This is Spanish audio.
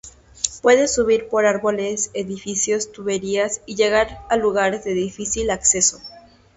Puede subir por árboles, edificios, tuberías y llegar a lugares de difícil acceso.